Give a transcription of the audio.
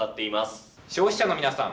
消費者の皆さん